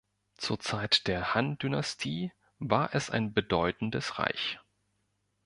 Zur Zeit der Han-Dynastie war es ein bedeutendes Reich.